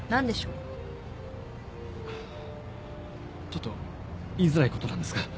ちょっと言いづらいことなんですが。